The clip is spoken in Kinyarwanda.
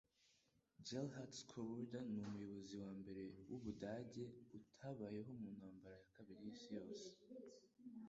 Gerhard Schroeder ni umuyobozi wa mbere w'Ubudage utabayeho mu Ntambara ya Kabiri y'Isi Yose.